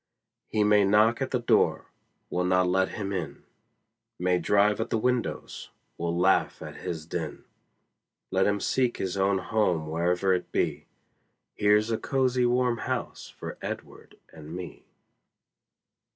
He may knock at the door we'll not let him in; May drive at the windows we'll laugh at his din; Let him seek his own home wherever it be; Here's a cozie warm house for Edward and me.